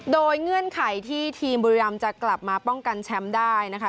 โดยเงื่อนไขที่ทีมบุรีรำจะกลับมาป้องกันแชมป์ได้นะคะ